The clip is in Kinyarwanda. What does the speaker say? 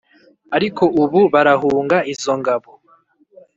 ariko ubu barahunga izo ngabo